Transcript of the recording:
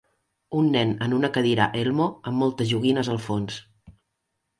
Un nen en una cadira elmo amb moltes joguines al fons.